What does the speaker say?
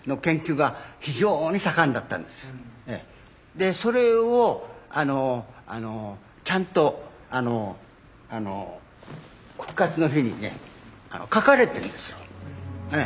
でそれをちゃんと「復活の日」にね書かれてるんですよ。